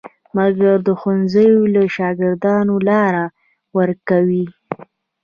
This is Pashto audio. مګر د ښوونځیو له شاګردانو لاره ورکوي.